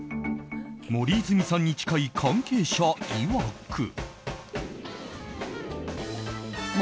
森泉さんに近い関係者いわく。